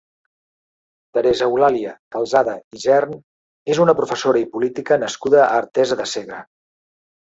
Teresa Eulàlia Calzada Isern és una professora i política nascuda a Artesa de Segre.